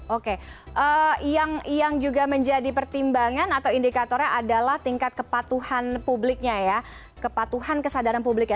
oke yang juga menjadi pertimbangan atau indikatornya adalah tingkat kepatuhan publiknya ya kepatuhan kesadaran publiknya